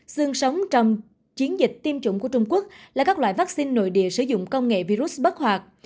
xương sống trong chiến dịch tiêm chủng của trung quốc là các loại vaccine nội địa sử dụng công nghệ virus bất hoạt